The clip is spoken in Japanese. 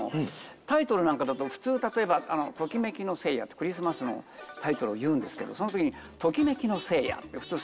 タイトルなんかだと普通例えば「ときめきの聖夜」ってクリスマスのタイトルを言うんですけどその時に「ときめきの聖夜」って普通下げますよね。